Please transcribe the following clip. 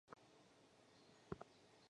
也希望她能参加下一次的活动。